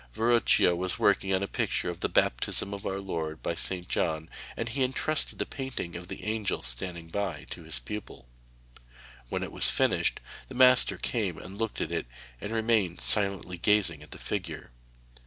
Verrocchio was working on a picture of the baptism of our Lord by St. John, and he entrusted the painting of the Angel standing by to his pupil. When it was finished the master came and looked at it, and remained silently gazing at the figure.